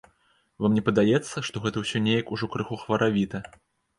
Вам не падаецца, што гэта ўсё неяк ужо крыху хваравіта?